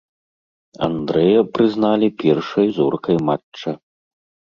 Андрэя прызналі першай зоркай матча.